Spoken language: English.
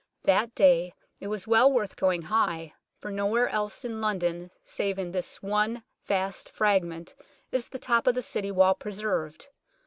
That day it was well worth going high, for nowhere else in London save in this one vast fragment is the top of the City wall preserved.